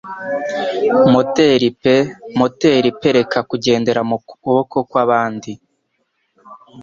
Moteri pe moteri pereka kugendera mukuboko kwabandi